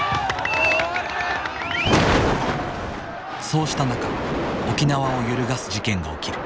そうした中沖縄を揺るがす事件が起きる。